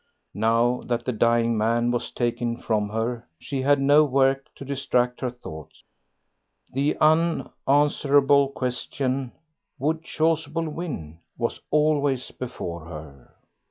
Now that the dying man was taken from her she had no work to distract her thought. The unanswerable question would Chasuble win? was always before her.